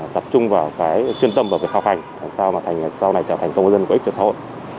tập trung vào chuyên tâm và việc học hành làm sao trở thành công dân có ích cho xã hội